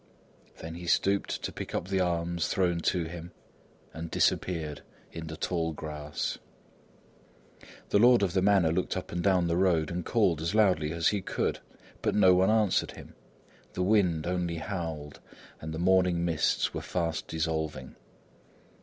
Then he stooped to pick up the alms thrown to him, and disappeared in the tall grass. The lord of the manor looked up and down the road and called as loudly as he could. But no one answered him! The wind only howled and the morning mists were fast dissolving.